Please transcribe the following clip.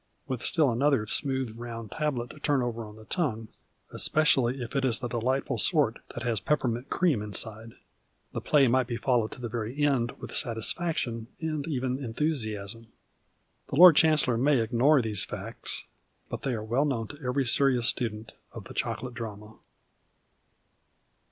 With still another smooth round tablet to turn over on the tongue (especially if it is the deligiitful sort that has i)epperniint cream inside) the play might be followed to the very end with satis faction, and even enthusiasm. The Lord Chancellor may ignore these facts, but they are well known to every serious student of the chocolate drama.